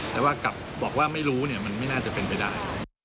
แต่ว่ากลับบอกว่าไม่รู้เนี่ยมันไม่น่าจะเป็นไปได้